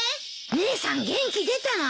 姉さん元気出たの？